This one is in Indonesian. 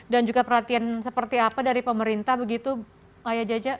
dan juga perhatian seperti apa dari pemerintah begitu ayah jajah